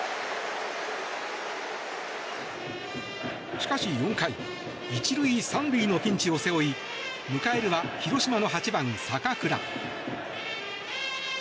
しかし４回１塁３塁のピンチを背負い迎えるは広島の８番、坂倉。